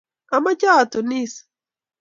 amache atunishe